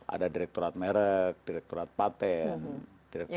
ada direkturat merek direkturat paten direkturat